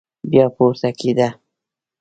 بيا پورته کېده.